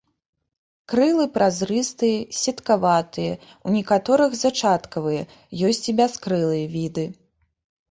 Крылы празрыстыя, сеткаватыя, у некаторых зачаткавыя, ёсць і бяскрылыя віды.